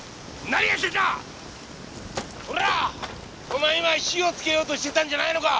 お前今火をつけようとしてたんじゃないのか！